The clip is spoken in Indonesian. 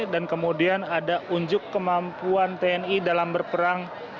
dan kemudian ada unjuk kemampuan tni dalam berperang